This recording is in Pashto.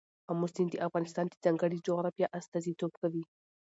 آمو سیند د افغانستان د ځانګړي جغرافیه استازیتوب کوي.